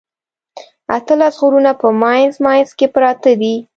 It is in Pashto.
اتلس غرونه په منځ منځ کې پراته دي.